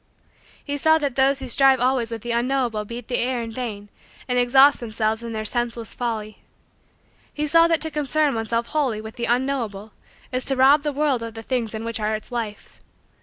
He saw that those who strive always with the unknowable beat the air in vain and exhaust themselves in their senseless folly. He saw that to concern oneself wholly with the unknowable is to rob the world of the things in which are its life.